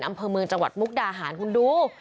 อำเภอเมืองจังหวัดมุกดาหารคุณดู